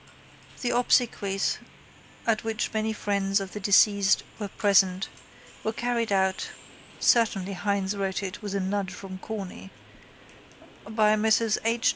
The obsequies, at which many friends of the deceased were present, were carried out_ (certainly Hynes wrote it with a nudge from Corny) _by Messrs H.